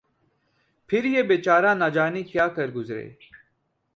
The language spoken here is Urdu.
پھر یہ بے چارہ نہ جانے کیا کر گزرے